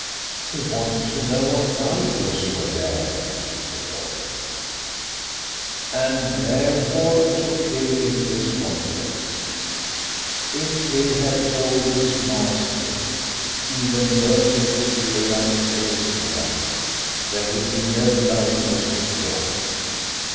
"He wanted to know what valuables were there," said Rolfe. "And therefore took Hill into his confidence. If Hill had told his master even Birchill would realise the risk of that there would be no valuables to get.